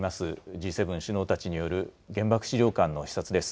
Ｇ７首脳たちによる原爆資料館の視察です。